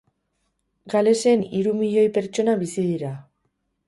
Galesen hiru milioi pertsona bizi dira.